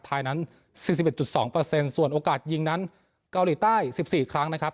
ไทยนั้นสิบสิบเอ็ดจุดสองเปอร์เซ็นต์ส่วนโอกาสยิงนั้นเกาหลีใต้สิบสี่ครั้งนะครับ